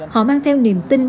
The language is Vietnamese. họ mang theo niềm tin